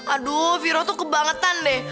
aduh viro tuh kebangetan deh